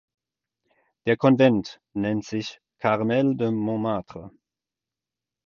Der Konvent nennt sich "Carmel de Montmartre".